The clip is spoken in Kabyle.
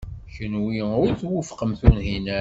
Kenwi ur twufqem Tunhinan.